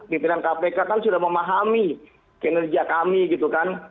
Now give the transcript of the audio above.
pimpinan kpk kan sudah memahami kinerja kami gitu kan